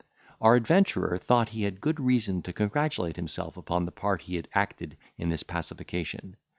Our adventurer thought he had good reason to congratulate himself upon the part he had acted in this pacification.